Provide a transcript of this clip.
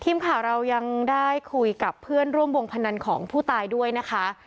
ทีมข่าวเรายังได้คุยกับเพื่อนร่วมวงพนันของผู้ตายด้วยนะคะ